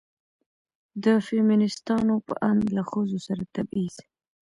د فيمينستانو په اند له ښځو سره تبعيض